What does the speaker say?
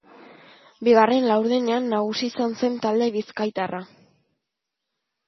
Bigarren laurdenean nagusi izan zen talde bizkaitarra.